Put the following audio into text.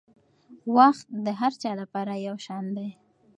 وخت د هر چا لپاره یو شان دی.